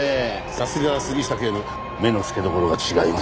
さすがは杉下警部目の付けどころが違いますね。